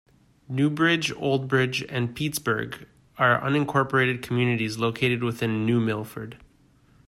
New Bridge, Old Bridge and Peetzburgh are unincorporated communities located within New Milford.